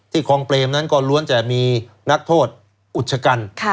คลองเปรมนั้นก็ล้วนจะมีนักโทษอุชกัน